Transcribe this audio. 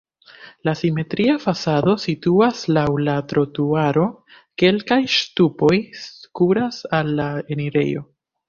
La simetria fasado situas laŭ la trotuaro, kelkaj ŝtupoj kuras al la enirejo.